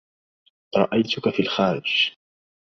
رأيتك في الخارج.